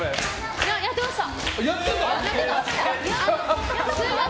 いつやってました？